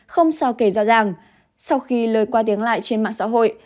không sao kể rõ ràng sau khi lời qua tiếng lại trên mạng xã hội